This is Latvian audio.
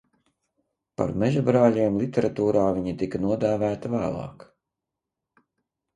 Par mežabrāļiem literatūrā viņi tika nodēvēti vēlāk.